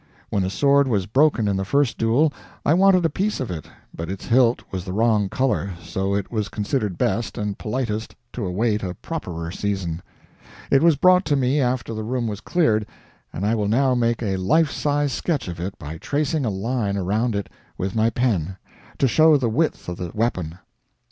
When a sword was broken in the first duel, I wanted a piece of it; but its hilt was the wrong color, so it was considered best and politest to await a properer season. It was brought to me after the room was cleared, and I will now make a "life size" sketch of it by tracing a line around it with my pen, to show the width of the weapon.